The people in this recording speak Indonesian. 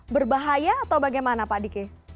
berbahaya atau bagaimana pak diki